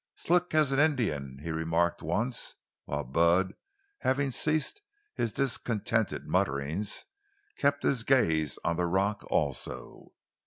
"Slick as an Indian," he remarked once, while Bud, having ceased his discontented mutterings, kept his gaze on the rock also.